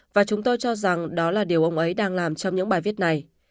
và chúng tôi cho rằng đó là điều ông ấy đang làm trong những bài viết này